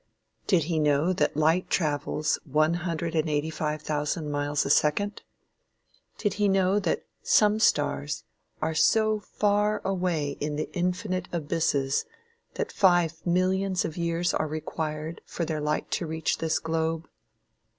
Did he know that light travels one hundred and eighty five thousand miles a second? Did he know that some stars are so far away in the infinite abysses that five millions of years are required for their light to reach this globe?